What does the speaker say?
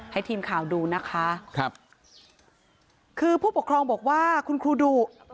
ให้ทีมข่าวดูนะคะครับคือผู้ปกครองบอกว่าคุณครูดุ